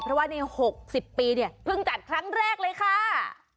เพราะว่าใน๖๐ปีเนี่ยเพิ่งจัดครั้งแรกเลยค่ะ